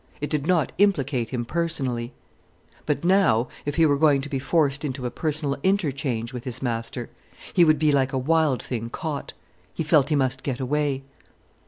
It did not implicate him personally. But now if he were going to be forced into a personal interchange with his master he would be like a wild thing caught, he felt he must get away.